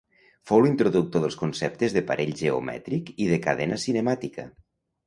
Fou l'introductor dels conceptes de parell geomètric i de cadena cinemàtica.